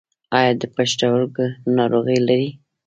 ایا د پښتورګو ناروغي لرئ؟